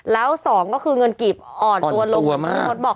แล้ว๒ก็คือเงินกลีบอ่อนตัวมาก